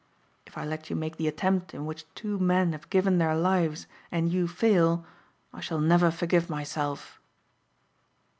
If I let you make the attempt in which two men have given their lives and you fail I shall never forgive myself."